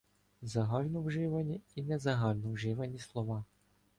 Загальновживані і незагальновживані слова